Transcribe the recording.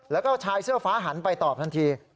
แล้วก็ชายเสื้อฟ้าหันไปตอบทันที